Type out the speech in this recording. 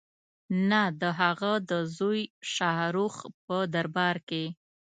نه د هغه د زوی شاه رخ په دربار کې.